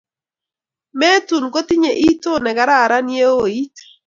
metuun kotinyei iton nekararan yeoit